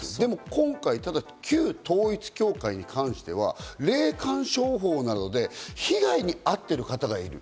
今回、旧統一教会に関しては、霊感商法などで被害に遭っている方がいる。